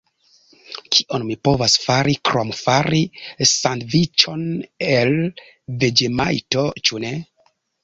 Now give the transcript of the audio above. Kion mi povas fari krom fari sandviĉon el veĝemajto, ĉu ne?